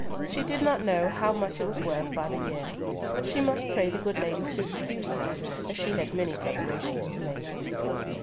She did not know how much it was worth by the year, but she must pray the good ladies to excuse her, as she had many preparations to make.